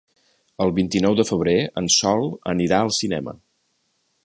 El vint-i-nou de febrer en Sol anirà al cinema.